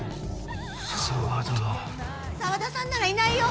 沢田さんならいないよ。